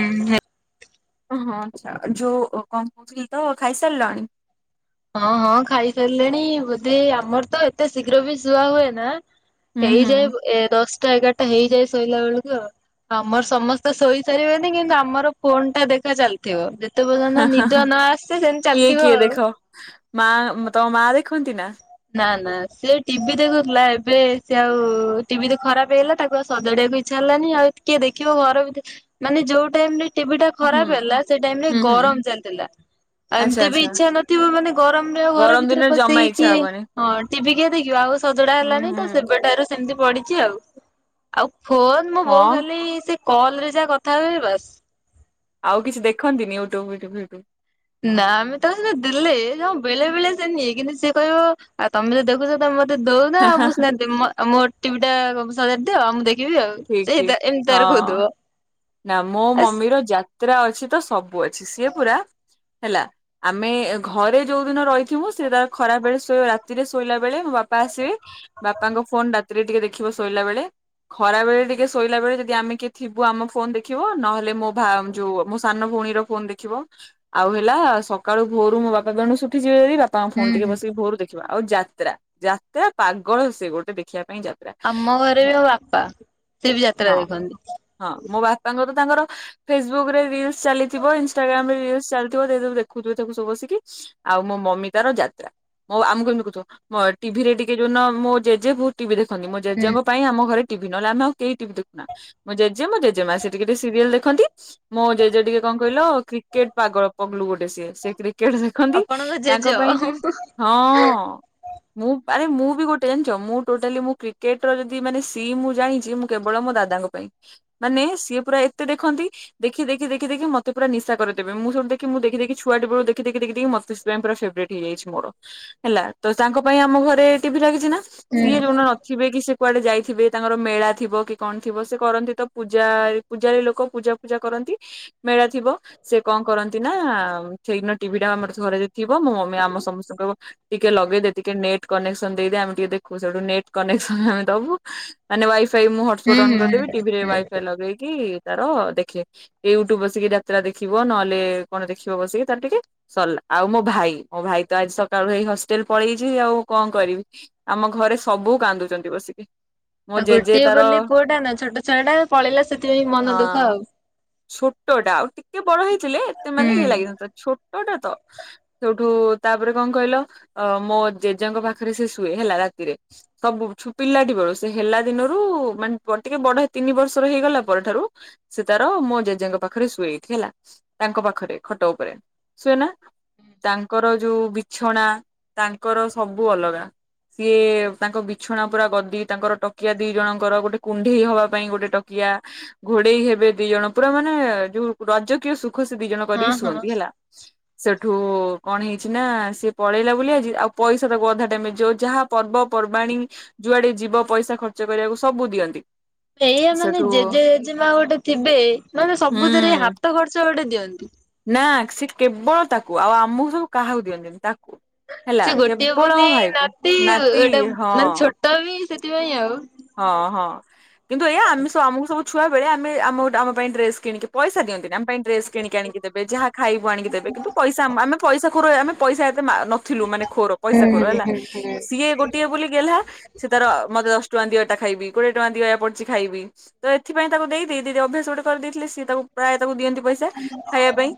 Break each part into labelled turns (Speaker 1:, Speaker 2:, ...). Speaker 1: ଉଁ ହୁଁ।
Speaker 2: ହଁ ଆଛା ଯୋ କମ୍ପ ମି ତ ଖାଇସାରିଲଣି।
Speaker 1: ହଁ ହଁ ଖାଇସାରିଲେଣି ବୋଧେ ଆମର ତ ଏତେ ଶୀଘ୍ର ବି ଶୁଆ ହୁଏ ନା।
Speaker 2: ହୁଁ ହୁଁ
Speaker 1: ହେଇଯାଏ। ଏ ଦଶଟା ଏଗାରଟା ହେଇ ଯାଇ ଶୋଇଲା ବେଳକୁ ଆ ଆମର ସମସ୍ତେ ଶୋଇ ସାରିବେଣି। କିନ୍ତୁ ଆମର ଫୋନ ଟା ଦେଖା ଚାଲିଥିବ। ଯେତେ ପର୍ଯ୍ୟନ୍ତ
Speaker 2: ହାଁ ହାଁ
Speaker 1: ନିଦ
Speaker 2: ହାଁ
Speaker 1: ନ ଆସିଚି ସେମିତି
Speaker 2: କିଏ
Speaker 1: ଚାଲିଥିବ
Speaker 2: କିଏ
Speaker 1: ଆଉ।
Speaker 2: ଦେଖ ମା ତମ ମା ଦେଖନ୍ତି ନା।
Speaker 1: ନା ନା ସିଏ ଟି ଭି ଦେଖୁଥିଲା। ଏବେ ସେ ଆଉ ଟି ଭି ତ ଖରାପ ହେଇଗଲା। ତାକୁ ଆଉ ସଜାଡିବାକୁ ଇଚ୍ଛା ହେଲାନି। ଆଉ କିଏ ଦେଖିବ। ଘର ଭିତରେ ମାନେ ଯୋଉ ଟାଇମ ରେ ଟି ଭି ଟା
Speaker 2: ହୁଁ
Speaker 1: ଖରାପ ହେଲା ସେ ଟାଇମ ରେ
Speaker 2: ହୁଁ ହୁଁ।
Speaker 1: ଗରମ ଚାଲିଥିଲା। ଆଉ
Speaker 2: ଆଚ୍ଛା
Speaker 1: ଏମିତି ବି
Speaker 2: ଆଚ୍ଛା
Speaker 1: ଇଚ୍ଛା ନଥିବ। ମାନେ ଗରମରେ ଆଉ ଘର
Speaker 2: ଗରମ
Speaker 1: ଭିତରେ
Speaker 2: ଦିନରେ ଜମା
Speaker 1: ପଶେଇକି
Speaker 2: ଇଚ୍ଛା ହବନି
Speaker 1: ହଁ ଟି ଭି କିଏ ଦେଖିବ ଆଉ ସଜଡା
Speaker 2: ହୁଁ
Speaker 1: ହେଲାନି। ତ
Speaker 2: ହୁଁ।
Speaker 1: ସେବେଠାରୁ ଏମତି ପଡିଛି ଆଉ। ଆଉ ଫୋନ ମୁଁ ବୋଉ
Speaker 2: ହଁ
Speaker 1: ଖାଲି ସେ କଲ ରେ ଯାହା କଥା ହୁଏ ବାସ।
Speaker 2: ଆଉ କିଛି [unintelligible]
Speaker 1: ନା ଆମେ ତ ସେ ଦେଲେଣ ବେଳେ ବେଳେ ସେ ନିଏ କିନ୍ତୁ ସିଏ କହିବ ଆଉ ତମେ ଯ ଦେଖୁଛ ମତେ ଦଉନା
Speaker 2: ହାଁ ହାଁ ହାଁ
Speaker 1: ମୁଁନାହା ଓଟିପି ଟା [unintelligible] ଆଉ
Speaker 2: ଠିକ
Speaker 1: ସେଇ
Speaker 2: ଠିକ
Speaker 1: ଏମିତି ତାର
Speaker 2: ହଁ।
Speaker 1: ଖୋଇଦବ।
Speaker 2: ନା ମୋ ମମିର ଯାତ୍ରା ଅଛି ତ ସବୁ ଅଛି। ସିଏ ପୁରା ହେଲା ଆମେ ଘରେ ଯୋଉ ଦିନ ରହିଥିବୁ ସେ ତାର ଖରା ବେଳେ ଶୋଇ ରାତିରେ ଶୋଇଲା ବେଳେ ମୋ ବାପା ଆସିବେ। ବାପାଙ୍କ ଫୋନ ରାତିରେ ଟିକେ ଦେଖିବ ଶୋଇଲା ବେଳେ। ଖରା ବେଳେ ଟିକେ ଶୋଇଲା ବେଳେ। ଯଦି ଆମେ କିଏ ଥିବୁ ଆମ ଫୋନ ଦେଖିବ ନହେଲେ ମୋ ଯୋଉ ମୋ ସାନ ଭଉଣୀର ଫୋନ ଦେଖବ। ଆଉ ହେଲା ସକାଳୁ ଭୋରୁ ମୋ ବାପା ବେଣୁସୁ ଉଠି ବାପାଙ୍କ
Speaker 1: ହୁଁ
Speaker 2: ଫୋନ ଟିକେ
Speaker 1: ହୁଁ
Speaker 2: ବସିକି ଭୋରୁ ଦେଖିବା। ଆଉ ଯାତ୍ରା ଯାତ୍ରା ପାଗଳ ସେ ଗୋଟେ ଦେଖିବା ପାଇଁ ଯାତ୍ରା।
Speaker 1: ଆମ ଘରେ ବି ଆମ ବାପା ସେ ବି ଯାତ୍ରା ଦେଖନ୍ତି।
Speaker 2: ବାପାଙ୍କ ତ ତାଙ୍କର ଫେସବୁକ ରେ ରିଲସ ଚାଲିଥିବ। ଇନଷ୍ଟାଗ୍ରାମ ରେ ରିଲସ ଚାଲିଥିବ ଦେଖୁଥିବେ ତାକୁ ସବୁ ବସିକି। ଆଉ ମୋ ମମି ତାର ଯାତ୍ରା ମ ଆମକୁ କେମିତି ଟି ଭି ରେ ଟିକେ ଯୋଉ ଦିନ ମୋ ଜେଜେ ଟି ଭି ମୋ
Speaker 1: ହୁଁ
Speaker 2: ଜେଜେଙ୍କ ପାଇଁ ଆମ ଘରେ ଟି ଭି ନହେଲେ ଆଉ କେହି ଟିଭି ଦେଖୁନା। ମୋ ଜେଜେ ମୋ ଜେଜେ ମା ସେଠିକେ ଟିକେ ସିରିଏଲ ଦେଖନ୍ତି। ମୋ ଜେଜେ ଟିକେ କଣ କହିଲ କ୍ରିକେଟ ପାଗଳ ପଗଲୁ ଗୋଟେ ସିଏ ସେଇଥିରେ ସେ କେଟେ ଶିଖନ୍ତି
Speaker 1: ଆପଣଙ୍କ ଜେଜ
Speaker 2: ତାଙ୍କ ପାଇଁ
Speaker 1: ହୁଁ
Speaker 2: ଟିକ ହଁ। ମୁଁ ଆରେ ମୁଁ ବି ଗୋଟେ ଜଣି ମୁଁ ଟୋଟାଲି ମୁ କ୍ରିକେଟ ର ଯଦି ମାନେ ସିମ ମୁଁ ଜାଣିଛି ମୁଁ କେବଳ ମୋ ଦାଦାଙ୍କ ପାଇଁ। ମାନେ ସିଏ ପୁରା ଏତେ ଦେଖନ୍ତି ଦେଖି ଦେଖି ଦେଖି ଦେଖି ମତେ ପୁର ନିଶା କରିଦେବେ। ମୁଁ ସବଠୁ ଦେଖି ମୁଁ ଦେଖି ଦେଖି ଛୁଆଟି ବେଳ ଦେଖି ଦେଖି ଦେଖି ଦେଖି ମତେ ସେଥିପାଇଁ ପୁରା ଫେବ୍ରେଟ୍ ହେଇଯାଇଛି। ମୋର ହେଲା ତ ତାଙ୍କ ପାଇଁ ଆମ ଘରେ ଟିଭି ଲାଗିଛି ନା।
Speaker 1: ହୁଁ
Speaker 2: ସିଏ ଯୋଉଟ ନଥିବେ କି ସେ କୁଆଡେ ଯାଇଥିବେ ତାଙ୍କର ମେଳା ଥିବ କି କଣ ଥିବ ସେ କରନ୍ତି ତ ପୂଜା ପୂଜାରୀ ଲୋକ ପୂଜା ଫୂଜା କରନ୍ତି। ମେଳା ଥିବ ସେ କଣ କରନ୍ତି ନା ସେଇଦିନ ଟି ଭି ଟା ଆମର ଘରେ ଥିବ ମୋ ମମି ଆମ ସମସ୍ତଙ୍କୁ ଟିକେ ଲଗେଇଦେ ଟିକେ ନେଟ କନେକ୍ସନ ଦେଇଦ ଆମେ ଟିକେ ଦେଖୁଠୁ ନେଟ୍ କନେସ ଆମେ ଦବୁ। ମାନେ ୱଇ ସେଇ ମୁଁ ହସପଟ
Speaker 1: ହୁଁ
Speaker 2: ଅନ୍ କରିଦେବି ଟି ଭି ରେ
Speaker 1: ହୁଁ।
Speaker 2: ୱାଇ ଦେଇକି ତାର ଦେଖେ ୟୁଟ୍ୟୁବ ବସିକି ଯାତ୍ରା ଦେଖିବ ନହେଲେ କଣ ଦେଖିବ ବସିକି ତାର ଟିକେ ସରିଲା ଆଉ ମୋ ଭାଇ ମୋ ଭାଇ ତ ଆଜି ସକାଳୁ ହେଇ ହଷ୍ଟେଲ ପଳେଇଛି ଆଉ କଣ କରିବି ଆମ ଘରେ ସବୁ କାନ୍ଦୁଛନ୍ତି ବସିକି। ମୋ
Speaker 1: ଆଉ
Speaker 2: ଜେଜେ
Speaker 1: ଗୋଟିଏ
Speaker 2: ତାର
Speaker 1: ବୋଲି ପୁଅଟା ନା ଛୋଟ ଛୁଆ ଟା ।
Speaker 2: ହଁ ଛୋଟ ଟା ଆଉ ଟିକେ ବଡ ହେଇଥିଲେ ଏତେ ମାନେ
Speaker 1: ହୁଁ।
Speaker 2: ଇଏ ଲାଗି ନଥାନ୍ତା ଛୋ ଟଟା ତ ସେଉଠୁ ତାପରେ କଣ କହିଲ ମୋ ଜେଜେଙ୍କ ପାଖରେ ସେ ଶୁଏ ହେଲା ରାତିରେ ସବୁ ପିଲଟି ବେଳୁ ସେ ହେଲା ଦିନରୁ ମାନେ ଟିକେ ବଡ- ତିନି ବର୍ଷର ହେଇଗଲା ପରଠାରୁ ସେ ତାର ମୋ ଜେଜେଙ୍କ ପାଖରେ ଶୁଏ ଏଇଠି ହେଲା ତାଙ୍କ ପାଖରେ ଖଟ ଉପରେ ଶୁଏନା ତାଙ୍କର ଯୋଉ ବିଛଣା ତାଙ୍କର ସବୁ ଅଲଗା ସିଏ ତାଙ୍କ ବିଛଣା ପୁରା ଗଦି ତାଙ୍କର ତକିଆ ଦି ଜଣଙ୍କର ଗୋଟେ କୁଣ୍ଢେଇ ହବା । ପାଇଁ ଗୋଟେ ତକିଆ ଘୋଡେଇ ହେବେ ଦି ଜଣ ପୁରା ମାନେ ଯୋଉ ରାଜକୀୟ ସୁ ସୁଖୁ ସେ ଦି ଜଣ
Speaker 1: ହଁ
Speaker 2: କରିକି
Speaker 1: ହଁ।
Speaker 2: ଶୁଅନ୍ତି ହେଲା। ସେଠୁ କଣ ହେଇଛି ନା ସିଏ ପଳେଇଲା ବୋଲି ଆଜି ଆଉ ପଇସା ତାକୁ ଅଧା ଟାଇମ ରେ ଯୋଉ ଯାହା ପର୍ବପର୍ବାଣୀ ଯୁଆଡେ ଯିବ ପଇସା ଖର୍ଚ୍ଚ କରିବାକୁ ସବୁ ଦିଅନ୍ତି।
Speaker 1: ଏଇୟା ମାନେ
Speaker 2: ସେଠୁ
Speaker 1: ଜେଜେ ଜେଜେମା ଗୋଟେ ଥିବେ ମାନେ ସବୁଥିରେ
Speaker 2: ହୁଁ
Speaker 1: ହାତ ଖର୍ଚ୍ଚ ଗୋଟେ ଦିଅନ୍ତି। ଅନ୍ତି ।
Speaker 2: ନା ସେ କେବଳ ତାକୁ ଆଉ ଆମକୁ ସବୁ କାହାକୁ ଦିଅନ୍ତିନି ତାକୁ ହେଲା
Speaker 1: ସେ ଗୋଟିଏ
Speaker 2: କେବଳ
Speaker 1: ବୋଲି
Speaker 2: ମୋ ଭାଇ କୁ
Speaker 1: ନାତି
Speaker 2: ନାତି
Speaker 1: ଗୋଟେ
Speaker 2: ହଁ।
Speaker 1: ମାନେ ଛୋଟ ବି ସେ- ସେଥି ପାଇଁ ଆଉ।
Speaker 2: ହଁ ହଁ କିନ୍ତୁ ଏଇୟ ଆମେ ସବୁ ଆମକୁ ସବୁ । ଛୁଆବେଳେ ଆମେ ଆମ କୁ ଆମପାଇଁ ଡ୍ରେସ୍ । କିଣିକି ପଇଶାଦିଅନ୍ତିନି ଆମ ପାଇଁ ଡ୍ରେସ କିଣିକି ଆଣିକି ଦେବେ ଯାହା ଖାଇବୁ ଆଣି କି ଦେବେ କିନ୍ତୁ ପଇସା ଆମ ଆମେ ପଇସା ଖୁରେ ଆମେ ପଇସା ଏତେ ମା ନଥିଲୁ ମାନେ ଖୋର
Speaker 1: ହୁଁ
Speaker 2: ପଇସା ଖୋର
Speaker 1: ହୁଁ
Speaker 2: ହେଲା
Speaker 1: ହୁଁ
Speaker 2: ସିଏ ଗୋଟିଏ ବୋଲି ଗେଲ୍ହା ସେ ତାର ମତେ ଦଶ ଦସ୍ ଟଙ୍କା ଦିଆ ଏଟା ଖାଇିବି କୋଡ଼ିଏ ଟଙ୍କା ଦିଅ ଏୟା ପଡଛି ଖାଇବି ତ ଏଥିପାଇଁ ତାକୁ ଦେଇ ଦେଇ ଅଭ୍ୟାସ ଗୋଟେ କରିଦେଇଥିଲେ ସି ତାକୁ ପ୍ରାୟ ତ ସବୁ ଦିଅନ୍ତି ପଇସା ଖାଇବା ପାଇଁ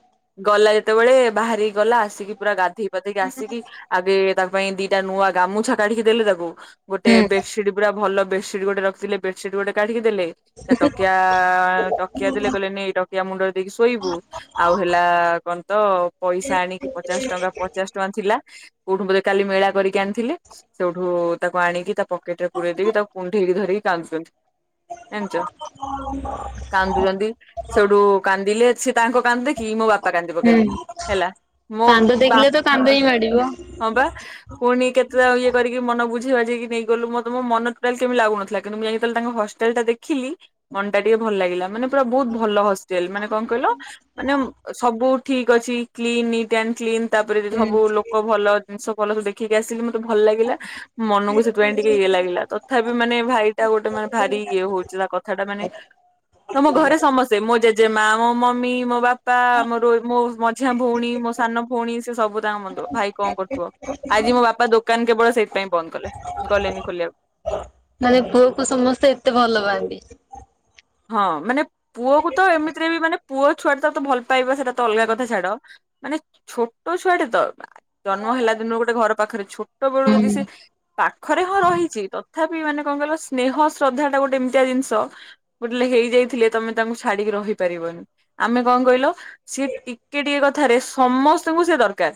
Speaker 2: ଗଲା ଯେତେ ଯେତେବେଳେ ବାହାରିକି । ଗଲା ଆସିକି ପୁରା ଗାଧେଇ ପାଧେଇକି ଆସିକି ଆଗେ । ତା ପାଇଁ ଦିଟା ନୂଆ ଗାମୁଛା କାଢିକି ଦେଲେ ତାକୁ। ଗୋଟେ
Speaker 1: ହୁଁ
Speaker 2: ବେଡସିଟ୍ । ଭଲ ବେଡସିଟ ଗୋଟେ ରଖିଥିଲେ ବେଡସିଟ ଗୋଟେ କାଢିକି ଦେଲେ ତା ଟକିଆ ଟକିଆ ଦେଲେ କହିଲେ ନେ ଟକିଆ ମୁଣ୍ଡରେ ଦେଇକି ଶୋଇବୁ ଆଉ ହେଲା କ ତ । ପଇସା ଆଣିକି ପଚାଶ ଟଙ୍କା ପଚାଶ ଟଙ୍କା ଥିଲା। କୋଉଠୁ ବୋଧେ କାଲି ମେଳା କରିକି ଆଣିଥିଲେ ସେଉଠୁ ତାକୁ ଆଣିକି ତା ପକେଟେରେ । ପୁରେଇ ଦେଇକି ତାକୁ କଣ୍ଢେଇକି ଧରିକି କାନ୍ଦୁଛନ୍ତି। ଜାଣିିଛ କାନ୍ଦୁଛନ୍ତି ସେଠୁ କାନ୍ଦିଲେ । ତାଙ୍କ କାନ୍ଦ ଦେଖି ମୋ ବାପା କାନ୍ଦି ପକାଇଲେ।
Speaker 1: ହୁଁ।
Speaker 2: ହେଲା ମୋ
Speaker 1: କାନ୍ଦ ଦେଖିଲେ
Speaker 2: ବାପା
Speaker 1: ତ କାନ୍ଦ ହିଁ ମାଡିବ।
Speaker 2: ହଁ ବା ପୁଣି କେତେ ଇଏ କରିକି ମନ ବୁଝ ବୁଝେଇ ବାଝେଇକି ନେଇ କି ଗଲୁ ମତେ । ମୋ ମନ ଟୋଟାଲ କେମିତିି ଲାଗୁନଥିଲା କିନ୍ତୁ ମୁଁ ଯାଇ ଯେତେବେଳେ ତାଙ୍କ ହଷ୍ଟେଲ ଟା ଦେଖିଲି ମନଟା ଟିକେ ଭଲ ଲାଗିଲା ମାନେ । ପୁରା ବହୁତ ଭଲ ହଷ୍ଟେଲ ମାନେ କଣ କହିଲ ମାନେ ମ୍ ସବୁ? ଠିକ୍ଅଛି। Clean neat and clean. ତାପରେ ଯେ
Speaker 1: ହୁଁ
Speaker 2: ସବୁ ଲୋକ ଭଲ ଜିନିଷ ଭଲ ସବୁ ଦେ ଖିକି ଆସିଲି ମୁଁ। ଭଲ ଲାଗିଲା ମନକୁ ସେଥିପାଇଁ ଟିକ୍ ଇଏ ଲାଗିଲା ତଥାପି ମାନେ ଭାଇଟା ଗୋଟେ ମାନେ ଭାରି ଇଏ ହଉଥିଲା କଥାଟା ମାନେ ମୁଁ ମୋ ଘରେ ସମସ୍ତେ ମୋ ଜେଜେ ମା [unintelligible] ମମି, ମୋ ବାପା, ମୋର ମୋ ମଝିଆ ଭଉଣୀ, ମୋ ସାନ ଭଉଣୀ ସେ ସବୁ ତାଙ୍କ ମନ ଦୁଃଖ। ଭାଇ କଣ କରୁଥିବ? ଆଜି ମୋ ବାପା ଦୋକାନ କେବଳ ସେଇଥିପାଇଁ ବନ୍ଦ କଲେ। ଗଲେନି ଖୋଲିବାକୁ।
Speaker 1: ମାନେ ପୁଅକୁ ସମସ୍ତେ ଏତେ ଭଲ ପାଆନ୍ତି।
Speaker 2: ହଁ ମାନେ? ପୁଅକୁ ତ ଏମିତିରେ ବି ମାନେ ପୁଅ ଛୁଆଟା ତାକୁ ତ ଭଲ୍ ପାଇବା ସେଇଟା ତ ଅଲଗା
Speaker 1: ହୁଁ
Speaker 2: କଥା ଛାଡ। ମାନେ ଛୋଟ ଛୁଆଟେ ତ? ଜନ୍ମ ହେଲା ଦିନରୁ ଗୋଟେ ଘର ପାଖରେ ଛୋଟ ବେଳୁ ଯଦି
Speaker 1: ହୁଁ।
Speaker 2: ସେ ପାଖରେ ହଁ ରହିଚି ତ? ତଥାପି ମାନେ କଣ କହିଲ ସ୍ନେହ, ଶ୍ରଦ୍ଧା ଟା ଗୋଟେ ଏମିତିଆ ଜିନଷ [unintelligible] ହେଇଯାଇଥିଲେ ତମେ ତାଙ୍କୁ ଛାଡିକି ରହିପାରିବନି। ଆମେ କଣ କହିଲ? ସିଏ ଟିକେ ଟିକେ କଥ୍ ଥରେ ସମସ୍ତଙ୍କୁ ସେ ଦର୍ କାର୍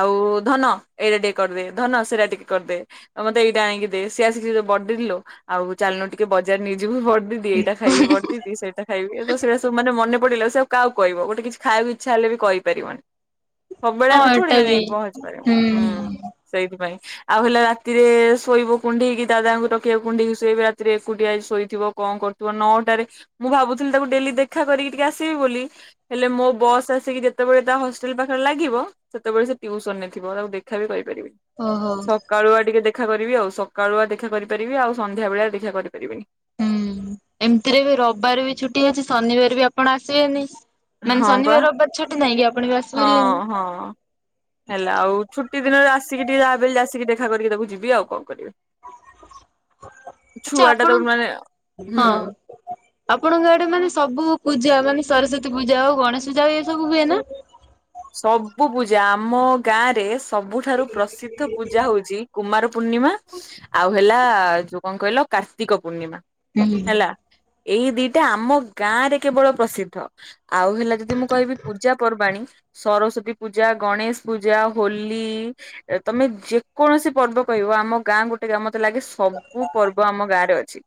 Speaker 2: ଆଉ ଧନ ଏଇଟା ଟିକେ କରିଦେ। ଧନ ସେଇଟା ଟିକେ କରିଦେ। ମତେ ଏଇଟା ଆଣିକି ଦେ। ସେ ଆସିକି ବଡଦିଦିଲୋ ଆଉ ଚାଲୁନୁ ଟିକେ ବଜାର ନେଇ ଯିବୁ। ବଡଦିଦି? ଏଟା ଖାଇବି ବଡଦିଦି ସେଇଟା ଖାଇବି ଏବେ ତ ସେଟା ସବୁ ମାନ ମନେ? ପଡିଲା ସେ ଆଉ କାହାକୁ କହିବ? ଗୋଟେ କିଛି ଖାଇଆକୁ ଇଚ୍ଛା ହେଲେ ବି କହିପାରିବନି। ସବୁବେଳେ
Speaker 1: ହଁ
Speaker 2: ଆମେ
Speaker 1: ଏଟା
Speaker 2: ଥୋଡିନା
Speaker 1: ବି।
Speaker 2: ଯାଇଙ୍କି ପହଞ୍ଚି ପାରିବା। ହୁଁ ସେଇଥିପାଇଁ। ଆଉ ହେଲା ରାତିରେ ଶୋଇବୁ କୁଣ୍ଡେଇକି ଦାଦାଙ୍କୁ ତକିଆକୁ କୁଣ୍ଡେଇକି ଶୋଇବେ। ରାତିରେ ଏକୁଟିଆ ଶୋଇଥିବ କଣ କରୁ ଥିବ ନଅଟାରେ ମୁଁ ଭାବୁଥିଲି ତାକୁ ଡେଲି ଦେଖା କରିକି ଟିକେ ଆସିବି ବୋଲି ହେଲେ ମୋ ବସ୍ ଆସିକି ଯେତେବେଳେ ତା ହଷ୍ଟେଲ ପାଖରେ ଲାଗିବ, ସେତେବେଳେ ସେ ଟିୟୁସନରେ ଥିବ ତାକୁ ଦେଖା ବିି କରି
Speaker 1: ଓହୋ।
Speaker 2: ସକାଳୁଆ ଟିକେ ଦେଖ୍ ଦେଖା କରିବି ଆଉ ସକାଳୁଆ ଦେଖା କରିପାରିବି। ଆଉ ସନ୍ଧ୍ୟାବେଳିଆ ଦେଖା କରିପାରିବିନି।
Speaker 1: ହୁଁ। ଏମିତିରେ ବି ରବବାର ବି ଛୁଟି ଅଛି। ଶନିବାର ବି ଆପଣ ଆସିବେନି। ମାନେ
Speaker 2: ହଁ ବା
Speaker 1: ଶନିବାର ରବିବାର ଛୁଟି ନାହିଁ କି ଆପଣ ବି
Speaker 2: ହଁ
Speaker 1: ଆସିପାରିବେନି
Speaker 2: ହଁ ହେଲା ଆଉ ଛୁଟି ଦିନରେ ଆସିକି ଟିକେ ଯାହାବି ହେଲେ ଆସିକି ଦେଖ୍ ଦେଖା କରିକି ତାକୁ ଯିବି ଆଉ କଣ କରିବି?
Speaker 1: ଆଚ୍ଛା
Speaker 2: ଛୁଆ ଟା ତାକୁ
Speaker 1: ଆପଣଙ୍କ
Speaker 2: ମାନେ
Speaker 1: ହଁ
Speaker 2: ହୁଁ।
Speaker 1: ଆପଣଙ୍କ ଆଡେ ମାନେ ସବୁ ପୂଜା ମାନେ? ସରସ୍ଵତୀ ପୂଜା ହଉ ଗଣେଶ ପୂଜା ହଉ ଏ ସବୁ ହୁଏ ନା?
Speaker 2: ସବୁ ପୂଜା ଆମ ଗାଁରେ ସ୍ ସବୁଠାରୁ ପ୍ରସିଦ୍ଧ ପୂଜା ହେଉଛି କୁମାର ପୂର୍ଣ୍ଣିମା ଆଉ ହେଲା-ଆ-ଆ ଯୋଉ କଣ କହିଲ କାର୍ତ୍ତିକ ପୂର୍ଣ୍ଣିମା।
Speaker 1: ହୁଁ।
Speaker 2: ହେଲା। ଏଇ ଦିଟା ଆମ ଗାଁ ରେ କେବଳ ପ୍ରସିଦ୍ଧ ଆଉ ହେଲା ଯଦି ମୁଁ କହିବି ପୂଜା ପର୍ବାଣୀ ସରସ୍ଵତୀ ପୂଜା, ଗଣେଶ ପୂଜା, ହୋଲି-ଇ-ଇ ତମେ ଯେକୌଣସି ପର୍ବ କହିବ ଆମ ଗାଁ ଗୋଟେ ଆ ମତେ ଲାଗେ ସବୁ ପର୍ବ ଆମ ଗାଁ ରେ ଅଛି।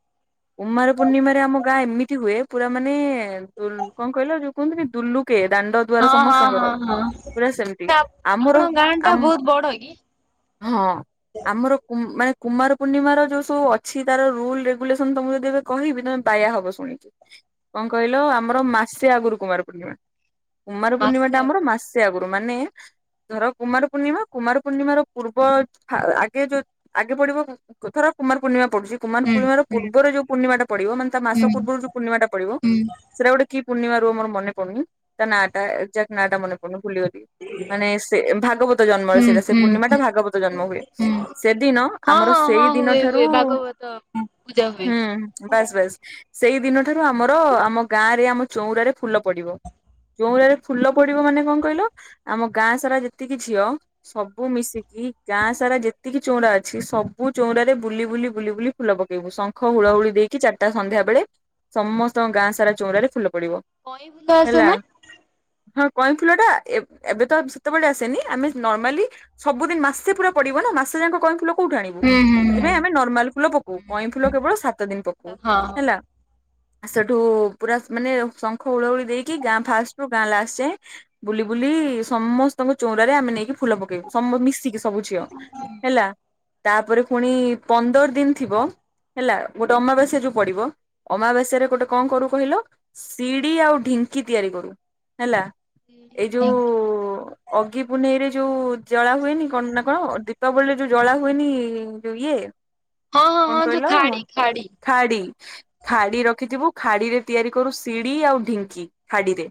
Speaker 2: କୁମାର ପୂର୍ଣ୍ଣିମାରେ ଆମ ଗାଁ ଏମି ତି ହୁଏ ପୁରା ମାନେ-ଏ-ଏ-ଏ ଦୁ କଣ କହିଲ ଯୋଉ କୁହନ୍ତିନି ଦୁଲୁକିଏ। ଦାଣ୍ଡ ଦୁଆାର
Speaker 1: ହଁ ହଁ
Speaker 2: ସମସ୍ତଙ୍କର
Speaker 1: ହଁ ହଁ
Speaker 2: ପୁରା ସେମିତି,
Speaker 1: ନା
Speaker 2: ଆମର
Speaker 1: ଆପଣଙ୍କ ଗାଁ ଟା
Speaker 2: ଆମ୍
Speaker 1: ବହୁତ ବଡ କି?
Speaker 2: ହଁ ଆମର କୁ ମାନେ କୁମାର ପୂର୍ଣ୍ଣିମାର ଯୋଉ ସବୁ ଅଛି ତାର ରୁଲ ରେଗୁଲେସନ ତମକୁ ଯଦି ଏ କହିବି ତମେ ବାୟା ହବ ଶୁଣିକି। କଣ କହିଲ ଆମର ମାସେ ଆଗରୁ କୁମାର ପୂର୍ଣ୍ଣିମା। କୁମାର ପୂର୍ଣ୍ଣିମା
Speaker 1: ମାସେ
Speaker 2: ଟା
Speaker 1: ହବ
Speaker 2: ଆମର ମା ସେ ଆଗୁରୁ ମାନେ ଧର କୁମାର ପୂର୍ଣ୍ଣିମା କୁମାର ପୂର୍ଣ୍ଣିମାର ପୂର୍ବ ଯ ଫା ଆଗେ ଯୋଉ ଆଗେ ପଡିବ କୁ ଧର କୁମାର ପୂର୍ଣ୍ଣିମା ପଡୁ କୁମାର
Speaker 1: ହୁଁ
Speaker 2: ପୂର୍ଣ୍ଣିମାର
Speaker 1: ହୁଁ
Speaker 2: ପୂର୍ବର ଯୋଉ ପୂର୍ଣ୍ଣିମାଟା ପଡ଼ିବ ମାନେ ତା ମାସ
Speaker 1: ହୁଁ
Speaker 2: ପୂର୍ବରୁ ଯୋଉ ପୂର୍ଣ୍ଣିମା ପଡିବ
Speaker 1: ହୁଁ
Speaker 2: ସେଇଟା ଗୋଟେ କି ପୂର୍ଣ୍ଣିମା ରୁହ ମୋର ମନେ ପଡୁନି ତା ନାଁ ଟା ଏକଜାଟ ନାଁ ଟା ମନେପଡ଼ୁନି ମୁଁ ଭୁଲି ଗଲି ମାନେ ସେ ଭାଗବତ ଜନ୍ମରେ
Speaker 1: ହୁଁ
Speaker 2: ସେଇଟା ସେ
Speaker 1: ହୁଁ ହୁଁ
Speaker 2: ପୂର୍ଣ୍ଣିମା ଟା
Speaker 1: ହୁଁ।
Speaker 2: ଭାଗବତ ଜନ୍ମ ହୁଏ। ସେଦିନ
Speaker 1: ହଁ
Speaker 2: ଆମର
Speaker 1: ହଁ
Speaker 2: ସେଇ
Speaker 1: ହଁ
Speaker 2: ଦିନ
Speaker 1: ହୁଏ
Speaker 2: ଠାରୁ
Speaker 1: ହୁଏ
Speaker 2: ହୁଁ
Speaker 1: ଭାଗବତ ପୂଜା ହୁଏ।
Speaker 2: ବାସ ବାସ ସେଇ ଦିନ ଠାରୁ ଆମର ଆମ ଗାଁ ରେ ଆମ ଚଉରାରେ ଫୁଲ ପଡିବ ଚଉରାରେ ଫୁଲ ପଡିବ ମାନେ କଣ କହିଲ ଆମ ଗାଁ ସାରା ଯେତିକି ଝିଅ ସବୁ ମିଶିକି ଗାଁ ସାରା ଯେତିକି ଚଉରା ଅଛି ସବୁ ଚଉରାରେ ବୁଲି ବୁଲି ବୁଲି ବୁଲି ଫୁଲ ପକେଇବୁ। ଶଙ୍ଖ ହୁଳହୁଳି ଦେଇକି ଚାରିଟା ସନ୍ଧ୍ୟା ବେଳେ ସମସ୍ତଙ୍କ ଗାଁ ସାରା ଚଉଁରାରେ ଫୁଲ ପ
Speaker 1: କଇଁ ଫୁଲ ଆସେ ନା?
Speaker 2: ହଁ କଇଁ ଫୁଲ ଟା ଏବ୍ ଏବେ ତ ସେତେବେଳେ ଆସେନି ଆମେ ନର୍ମାଲି ସବୁଦିନ ମାସେ ପୁରା ପଡିବ ନା ମାସେ ଯାକ କଇଁ ଫୁଲ କୋଉଠୁ ଆଣିବୁ
Speaker 1: ହୁଁ ହୁଁ
Speaker 2: ସେଥିପାଇଁ ଆମେ
Speaker 1: ହୁଁ
Speaker 2: ନର୍ମାଲ ଫୁଲ ପକଉ। କଇଁ ଫୁଲ କେବଳ ସାତ ଦିନ ପକଉ ହେଲା। ସେଠୁ-ଉ-ଉ-ଉ ପୁରା ମାନେ ଶଙ୍ଖ ହୁଳହୁଳି ଦେଇକି ଗାଁ ଫାଷ୍ଟ ରୁ ଗାଁ ଲାଷ୍ଟ ଯାଏଁ ବୁଲି ବୁଲି ସମସ୍ତଙ୍କ ଚଉରାରେ ଆମେ ନେଇକି ଫୁଲ ପକେଇବୁ ସମ ମିଶିକି ସବୁ ଝିଅ ହେଲା। ତାପରେ ପୁଣି ପନ୍ଦର ଦିନ ଥିବ ହେଲା ଗୋଟେ ଅମାବାସ୍ୟା ଯୋଉ ପଡିବ, ଅମାବାସ୍ୟାରେ ଗୋଟେ କଣ କରୁ କହିଲ ସିଡି ଆଉ ଢିଙ୍କି ତିଆରି କରୁ ହେଲା। ଏଇ
Speaker 1: ହଁ।
Speaker 2: ଯୋଉ ଅଗି ପୁନେଇଁରେ ଯୋଉ ଜଳା ହୁଏନି କଣ ନା କଣ ଦୀପାବଳିରେ ଯୋଉ ଜଳା ହୁଏନି-ଇ-ଇ-ଇ ଯୋଉ ଇଏ
Speaker 1: ହଁ ହଁ
Speaker 2: କଣ
Speaker 1: ହଁ ଯୋଉ
Speaker 2: କହିଲ
Speaker 1: ଖାଡି ଖାଡି
Speaker 2: ଖାଡି ଖାଡି ରଖିଥିବୁ ଖାଡିରେ ତିଆରି କରୁ ସିଢି ଆଉ ଢିଙ୍କି ଖାଡିରେ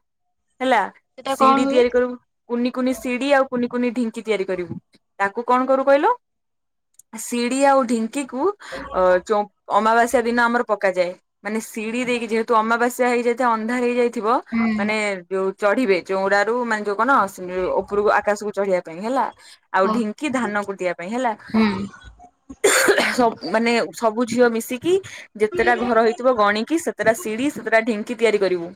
Speaker 2: ହେଲା।
Speaker 1: ସେଟା କଣ
Speaker 2: ସିଡି
Speaker 1: ହୁଏ?
Speaker 2: ତିଆରି କରିବୁ କୁନି କୁନି ସିଡି ଆଉ କୁନି କୁନି ଢିଙ୍କି ତିଆରି କରିବୁ। ତାକୁ କଣ କରୁ କହିଲ ସିଡ଼ି ଆଉ ଢି ଙ୍କି କୁୁ ଅ ଚ ଅମାବାସ୍ୟା ଦିନ ଆମର ପକାଯାଏ। ମାନେ ସିଡି ଦେଇକି ଯେହେତୁ ଅମାବାସ୍ୟା ହେଇଯାଇଥାଏ ଅନ୍ଧାର ହେଇଯାଇ ଥିବ
Speaker 1: ହୁଁ
Speaker 2: ମାନେ ଯୋଉ ଚଢ଼ିବେ ଚଉଡାରୁ ମା କ ସେ ଉପରକୁ ଆକାଶକୁ ଚଢିବା ପାଇଁ ହେଲା ଆଉ
Speaker 1: ହଁ
Speaker 2: ଢିଙ୍କି ଧାନ କଟିବା ପାଇଁ ହେଲା
Speaker 1: ହୁଁ
Speaker 2: ମାନେ ସବୁ ଝିଅ ମିଶି ଯେତେଟା ଘର ହେଇଥିବ ଗଣିକି ସେତେଟା ସିଢି ସେତେଟା ଢୀଙ୍କ ତିଆରିକରିବୁ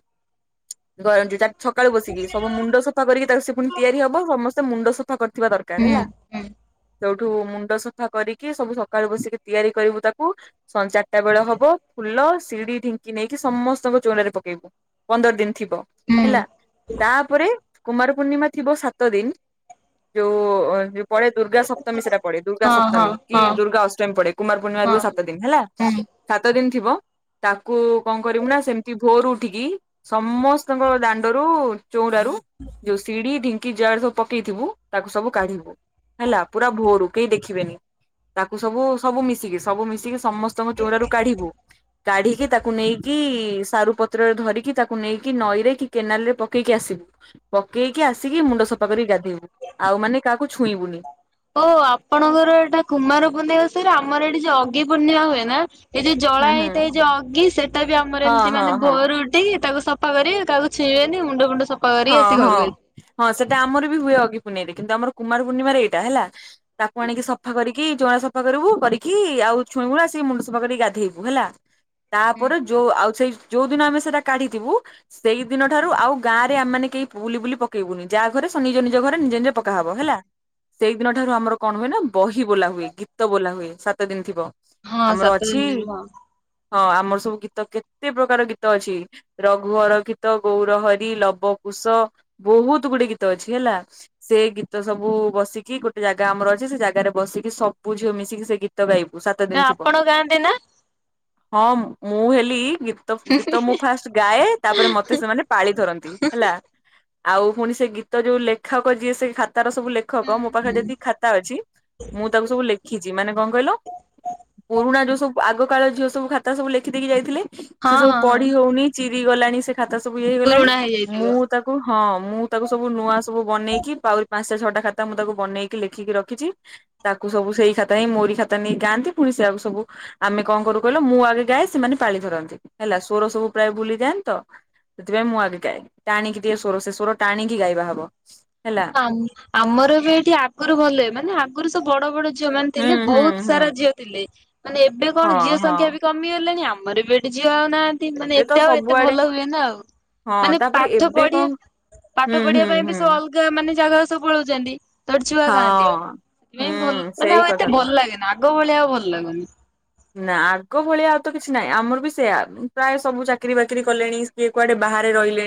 Speaker 2: [unintelligible] ସବୁ ମୁଣ୍ଡ ସଫା କରିକି ତାକୁ ସେ ପୁଣି ତିଆରି ହବ ସମସ୍ତେ ମୁଣ୍ଡ କରିଥିବା ଦରକାର
Speaker 1: ହୁଁ
Speaker 2: ହେଲା
Speaker 1: ହୁଁ
Speaker 2: ସୋଉଠୁ ମୁଣ୍ଡ ସଫା କରିକି ସବୁ ସକାଳୁ ବସିକି ତିଆରି କରିବୁ ତାକୁ ସଞ୍ଚାର କେତେବେେଳେ ହବ ଫୁଲ ସିଡି ଢିଙ୍କି ନେଇକି ସମସ୍ତଙ୍କ ଚୋଲରେ ପକେଇବୁ ପନ୍ଦର ଦିନ ଥିବ।
Speaker 1: ହୁଁ
Speaker 2: ହେଲା ତାପରେ କୁମାର ପୂର୍ଣିମା ଥିବ ସାତ ଦିନ ଯୋଉ ଯୋଉ ପଢେ ଦୁର୍ଗା ସପ୍ତମୀ ସେଟା ପଡେ
Speaker 1: ହଁ ହଁ
Speaker 2: ଦୁର୍ଗାସପ୍ତମୀ କି
Speaker 1: ହଁ
Speaker 2: ଦୁର୍ଗା ଅଷ୍ଟମୀ ପଡେ କୁମାର ପୂର୍ଣିମାରେ
Speaker 1: ହଁ
Speaker 2: ହ ସାତ ଦିନ ହେଲା
Speaker 1: ହୁଁ
Speaker 2: ସାତ ଦିନ। ଥିବ ତାକୁ କଣ କରିବୁ ନା ସେମିତି ଭୋର ଉଠିକି ସମସ୍ତଙ୍କ ଦାଣ୍ଡରୁ ଚଉରାରୁ ଯୋଉ ସିଡି ଢଙ୍କ କି ଯାଆଡେ ସବ ପକେଇଥିବୁ ତାକୁ ସବୁ କାଢିବୁ ହେଲା ପୁରା ଭୋରୁ କେହି ଦେଖିବେନି ତାକୁ ସବୁ ସବୁ ମିଶିକି ସବୁ ମିଶିକି ସମସ୍ତଙ୍କ ଚୋଉରାରୁ କାଢିବୁ କାଢିକି ତାକୁ ନେଇକି ସାରୁ ପତ୍ରରେ ଧରିକି ତାକୁ ନେଇକି ନଈ ରେ କି କେନାଲରେ ପକେଇକି ଆସିବୁ ପକେଇକି ଆସିକି ମୁଣ୍ଡ ସଫା କରି ଗାଧେଇବୁ ଆଉ ମାନେ କାହାକୁ ଛୁଇଁବୁନି।
Speaker 1: ଓ ଆପଣଙ୍କର ଏଟା କୁମାରପୂନେଇ ଓଷାରେ ଆମର ଏଠି ଯୋଉ ଅଘିପୂର୍ଣ୍ଣିମା ହୁଏ ନା ଏଇ ଯୋଉ ଜଳା
Speaker 2: ହୁଁ ହୁଁ
Speaker 1: ହେଇଥାଏ ଯୋଉ ଅଗି ସେଟା ବି ଆମର
Speaker 2: ହଁ
Speaker 1: ଏମିତି
Speaker 2: ହଁ
Speaker 1: ମାନେ
Speaker 2: ହଁ
Speaker 1: ଭୋରୁଟି ତାକୁ ସ ପରେ ତାକୁ ଛିନ ମୁଣ୍ଡ ଫୁଣ୍ଡ ସବୁ
Speaker 2: ହଁ ହଁ ହଁ ସେଟା ଆମର ବି ହୁଏ। ଅଘି ପୁ କିନ୍ତ ଆମ କୁମାର ପର୍ଣ୍ଣିମାରେ ଏଇଟା ହେଲା ତାକୁ ଆଣିକି ସଫା କରିକି ଚଉରା ସଫା କରିବୁ କରିକି ଆଉ ଛୁଇଁବୁନି ସେ ମୁଣ୍ଡ ସଫା କରିକି ଗାଧେଇବୁ ହେଲା।
Speaker 1: ହୁଁ
Speaker 2: ତାପରେ ଯୋଉ ଆଉ ସେଇ ଯୋଉ ଦିନ ଆମେ ସେଇଟା କାଢିଥିବୁ ସେଇଦିନ ଠାରୁ ଆଉ ଗାଁ। ଆମେ ମାନେ କେହି ବୁଲି ବୁଲି ପକେଇବୁନି ଯାହା ଘରେ ଶନି ଜନ ନିଜ ଘରେ ନିଜେ ନିଜେ
Speaker 1: ହୁଁ ହୁଁ।
Speaker 2: ପକାହବ ହେଲା ସେଇଦିନ ଠାରୁ ଆମର କଣ ହୁଏ ନା ବହି ବୋଲା ହୁଏ ଗୀତ ବୋଲା ହୁଏ ସାତ ଦିନ ଥିବ।
Speaker 1: ହଁ
Speaker 2: ଆମର
Speaker 1: ସାତ
Speaker 2: ଅଛି
Speaker 1: ଦିନ ହଁ।
Speaker 2: ହଁ ଆମର ସବୁ ଗୀତ କେତେ ପ୍ରକାର ଗୀତ ଅଛି। ରଘୁ ହର ଗୀତ ଗୌର ହରି ଲବ ବ କୁଶ ବହୁତ ଗୁଟେ ଗୀତ ଅଛି ହେଲା, ସେ ଗୀତ ସବୁ ବସିକି ଗୋଟେ ଜାଗା ଆମର ଅଛି ସେ ଜାଗାରେ ବସିକି ସବୁ ଝିଅ ମିଶିକି ସେ ଗୀତ ଗାଇବୁ। ସାତ ଦିନ
Speaker 1: ନା
Speaker 2: ଥିବ
Speaker 1: ଆପଣ ଗାଆନ୍ତି ନାଁ?
Speaker 2: ହଁ ମୁଁ ହେଲି ଗୀତ ଗୀତ ମୁଁ ଫାଷ୍ଟ ଗାଏ, ତାପରେ ମତେ ସେମାନେ ପାଳି ଧରନ୍ତି। ହେଲା। ଆଉ ପୁଣି ସେ ଗୀତ ଯୋଉ ଲେଖକ ଯିଏ ସେ ତାର ସବୁ ଲେଖକ ମୋ ପାଖରେ
Speaker 1: ହୁଁ
Speaker 2: ଯେତିକି ଖାତା ଅଛି, ମୁଁ ତାକୁ ସବୁ ଲେଖିଛି ମାନେ କଣ କହିଲ ପୁରୁଣା ଯୋଉ ସବୁ ଆଗକାଳ ଝିଅ ସବୁ ଖାତା ସବୁ ଲେଖିଦେଇକି ଯାଇଥିଲେ। ସେ
Speaker 1: ହଁ
Speaker 2: ସବୁ
Speaker 1: ହଁ ହଁ
Speaker 2: ପଢି ହଉନି। ଚି ରି ଗଲାଣି ସେ ଖାତ ସବୁ ଇଏ ହେଇଗଲାଣି।
Speaker 1: ପୁରୁଣା ହେଇଯାଇଥିବ।
Speaker 2: ମୁଁ ତାକୁ ହଁ ମୁଁ ତାକୁ ସବୁ ନୂଆ ମୁଁ ବନେଇକି ପାଉ ପାଞ୍ଚଟା ଛଅଟା ଖାତା ମୁଁ ତାକୁ ବନେଇକି ଲେଖିକି ରଖିଚି, ପ ତାକୁ ସବୁ ସେଇ ଖାତା ହେ ମୋରି ଖାତା ନେଇକି ଗାଆନ୍ତି ପୁଣି ସେଆକୁ ସବୁ ଆମେ କଣ କରୁ କହିଲ ମୁଁ ଆଗେ ଗାଏ ସେମାନେ ପାଳି ଧରନ୍ତି ହେଲା। ସ୍ୱର ସବୁ ପ୍ରାୟ ଭୁଲିଯାଆନ୍ତି ତ ସେଥିପାଇଁ ମୁଁ ଆଗେ ଗାଏ। ଟାଣିକି ଟିକେ ସ୍ୱର ସେ ସ୍ୱର ଟାଣିକି ଗାଇବା ହବ। ହେଲା।
Speaker 1: ଆମ ଆମର ଏ ବି ଏଠି ଆଗରୁ ଭଲ ହୁଏ ମାନେ ଆଗରୁ ବଡ ବଡ ଯୋଉମାନେ
Speaker 2: ହୁଁ
Speaker 1: ଥିଲେ
Speaker 2: ହୁଁ
Speaker 1: ବହୁତ
Speaker 2: ହୁଁ
Speaker 1: ସାରା ଝିଅ ଥିଲେ। ମାନେ ଏବେ କଣ
Speaker 2: ହଁ
Speaker 1: ଝିଅ
Speaker 2: ହଁ
Speaker 1: ସଂଖ୍ୟା ବି କମି ଗଲେଣି। ମର ବି ଏଠି ଝିଅ ଉ ନାହାନ୍ତି ମାନେ
Speaker 2: ଏବେ
Speaker 1: ଏତେ
Speaker 2: ତ
Speaker 1: ଆଉ ଏତେ
Speaker 2: ସବୁଆଡେ
Speaker 1: ଭଲ ହୁଏ ନା ଆଉ
Speaker 2: ହଁ
Speaker 1: ମାନେ
Speaker 2: ତାପରେ
Speaker 1: ପାଠ
Speaker 2: ଏବେ
Speaker 1: ପଢିବା
Speaker 2: କଣ ହୁଁ
Speaker 1: ପାଠ ପଢିବା
Speaker 2: ହୁଁ
Speaker 1: ପାଇଁ ବି
Speaker 2: ହୁଁ
Speaker 1: ସବୁ ଅଲଗା ଜାଗା ସବୁ ପଳଉଚନ୍ତି। ତର ଛୁଆ ଖାଆନ୍ତି?
Speaker 2: ହଁ।
Speaker 1: ନାଇଁ ଭଲ
Speaker 2: ହୁଁ
Speaker 1: ମାନେ
Speaker 2: ସେଇ
Speaker 1: ଆଉ ଏତେ
Speaker 2: କଥା ତ
Speaker 1: ଭଲ ଲାଗେନି ଆଗ ଭଳିଆ ଆଉ ଭଲ ଲାଗୁନି।
Speaker 2: ନା ଆଗ ଭଳିଆ ଆଉ ତ କିଛି ନାହିଁ। ଆମର ବି ସେୟା ପ୍ରାୟ ସବୁ ଚାକିରି ବାକିରି କଲେଣି କିଏ କୁଆଡେ ବାହାରେ ରହିଲେଣି।